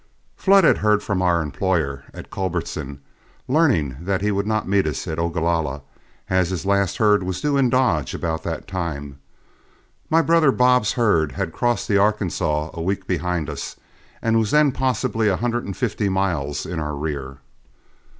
Flood had heard from our employer at Culbertson, learning that he would not meet us at Ogalalla, as his last herd was due in Dodge about that time. My brother Bob's herd had crossed the Arkansaw a week behind us, and was then possibly a hundred and fifty miles in our rear.